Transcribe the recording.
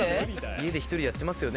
家で１人やってますよね？